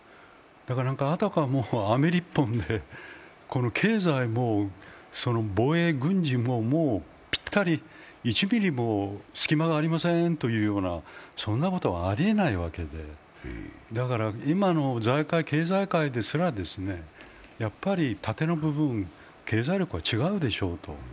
あたかもアメリッポンで経済も防衛軍事ももうぴったり１ｍｍも隙間がありませんというようなそんなことはありえないわけで、今の財界・経済界ですら、やっぱり縦の部分、経済力は違うでしょうと。